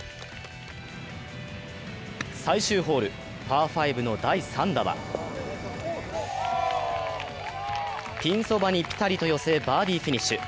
最終ホール、パー５の第３打はピンそばにピタリと寄せバーディーフィニッシュ。